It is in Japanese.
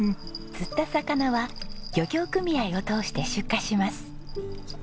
釣った魚は漁業組合を通して出荷します。